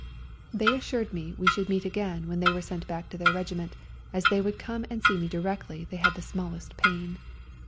They assured me we should meet again when they were sent back to their regiment, as they would come and see me directly they had the smallest pain.